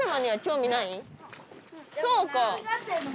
そうか。